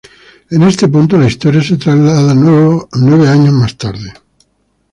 En este punto, la historia se traslada nueve años más tarde.